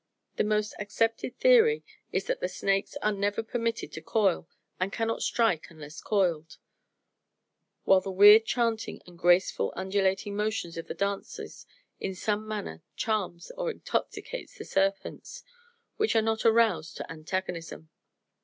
The most accepted theory is that the snakes are never permitted to coil, and cannot strike unless coiled, while the weird chanting and graceful undulating motions of the dancers in some manner "charms" or intoxicates the serpents, which are not aroused to antagonism.